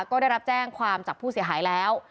ก็ได้รับแจ้งความจากผู้เสียหายแล้ว